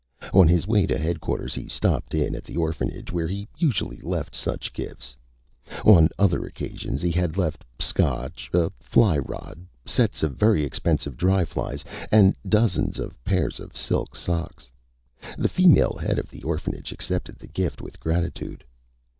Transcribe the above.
On his way to Headquarters he stopped in at the orphanage where he usually left such gifts. On other occasions he had left Scotch, a fly rod, sets of very expensive dry flies, and dozens of pairs of silk socks. The female head of the orphanage accepted the gift with gratitude.